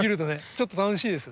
ちょっと楽しいです。